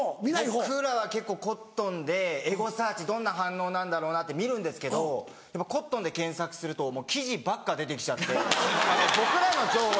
僕らは結構「コットン」でエゴサーチどんな反応なんだろうなって見るんですけど「コットン」で検索すると生地ばっか出て来ちゃって僕らの情報